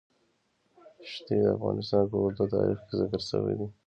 ښتې د افغانستان په اوږده تاریخ کې ذکر شوی دی.